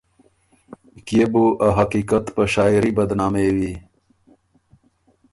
کيې بُو ا حقیقت په شاعېري بدنامېوی